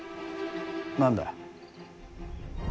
何だ。